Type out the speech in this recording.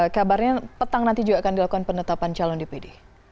kabarnya petang nanti juga akan dilakukan penetapan calon dpd